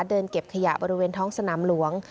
เดินเก็บขยะบริเวณท้องสนามหลวง